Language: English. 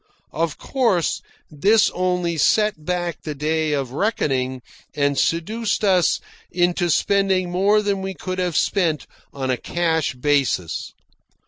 Of course, this only set back the day of reckoning and seduced us into spending more than we would have spent on a cash basis.